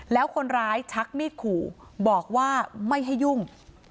แล้วคนร้ายชักมีดขู่บอกว่าไม่ให้ยุ่ง